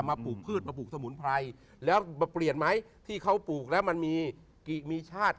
ปลูกพืชมาปลูกสมุนไพรแล้วมาเปลี่ยนไหมที่เขาปลูกแล้วมันมีกี่มีชาติ